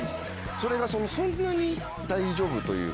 それがそんなに大丈夫というか。